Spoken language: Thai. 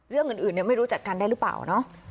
เรื่องอื่นไม่รู้จักกันได้หรือเปล่าเนาะ